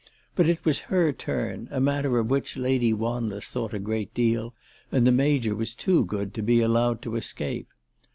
But it was her turn, a matter of which Lady Wanless thought a great deal, and the Major was too good to be allowed to escape.